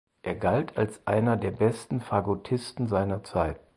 Er galt als einer der besten Fagottisten seiner Zeit.